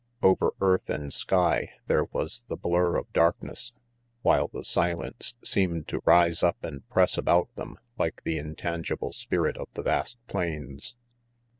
Over earth and sky there was the blur of darkness, while the silence seemed to rise up and press about them like the intangible spirit of the vast plains.